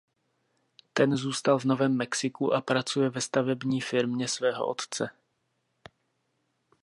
Ten zůstal v Novém Mexiku a pracuje ve stavební firmě svého otce.